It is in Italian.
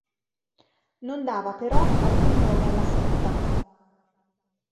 Non dava, però, alcun nome alla setta.